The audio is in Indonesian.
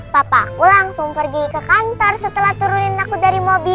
papa aku langsung pergi ke kantor setelah turunin aku dari mobil